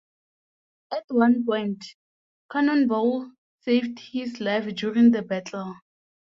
At one point, Cannonball saved his life during the battle.